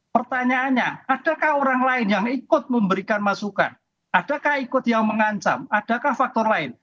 pertanyaannya adakah orang lain yang ikut memberikan masukan adakah ikut yang mengancam adakah faktor lain